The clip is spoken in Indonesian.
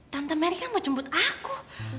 tante meri kan mau jemput aku